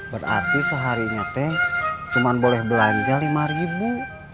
berarti seharinya teh cuman boleh belanja lima ribu